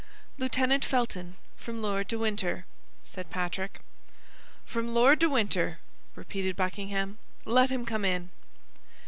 "Lieutenant Felton, from Lord de Winter," said Patrick. "From Lord de Winter!" repeated Buckingham; "let him come in."